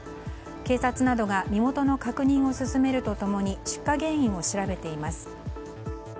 警察などが身元の確認を進めると共に出火原因を調べています。